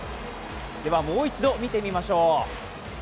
もう一度見てみましょう。